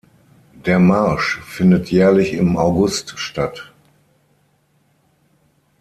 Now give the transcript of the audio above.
Der Marsch findet jährlich im August statt.